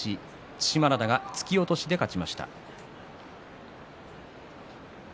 對馬洋が突き落としで勝ちました。